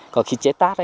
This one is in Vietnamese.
còn khi chế tác